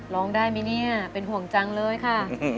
ร้องได้ไหมเนี่ยเป็นห่วงจังเลยค่ะ